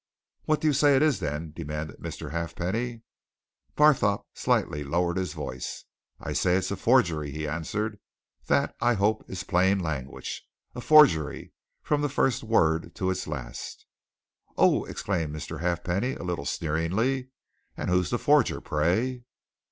"What do you say it is, then?" demanded Mr. Halfpenny. Barthorpe slightly lowered his voice. "I say it's a forgery!" he answered. "That, I hope, is plain language. A forgery from the first word to its last." "Oh!" exclaimed Mr. Halfpenny, a little sneeringly. "And who's the forger, pray?"